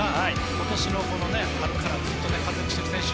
今年の春からずっと活躍している選手